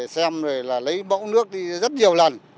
xem rồi là lấy mẫu nước đi rất nhiều lần